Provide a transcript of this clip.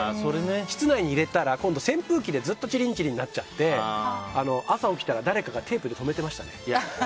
室内に入れたら今度は扇風機でチリンチリン鳴っちゃって朝起きたら誰かがテープで留めてましたね。